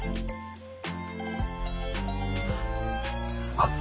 あっ。